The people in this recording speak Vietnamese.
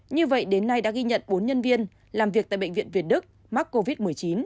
như vậy đến nay đã ghi nhận bốn nhân viên làm việc tại bệnh viện việt đức mắc covid một mươi chín